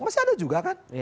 masih ada juga kan